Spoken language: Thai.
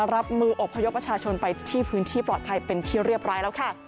รับมืออบพยพประชาชนไปที่พื้นที่ปลอดภัยเป็นที่เรียบร้อยแล้วค่ะ